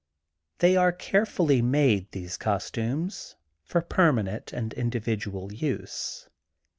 They are carefully made, these costumes, for permanent and individual use.